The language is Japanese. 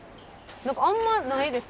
あんまないです。